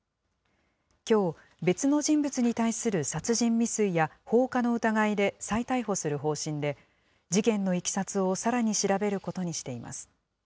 きょう、別の人物に対する殺人未遂や放火の疑いで再逮捕する方針で、事件のいきさつをさらに調べることにしています。